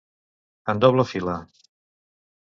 En doble fila.